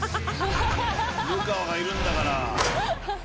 流川がいるんだから。